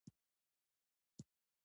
د انجنیری کارونه په لاندې ډول دي.